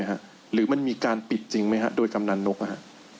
ได้ไหมฮะหรือมันมีการปิดจริงไหมฮะด้วยกำลังนกฮะ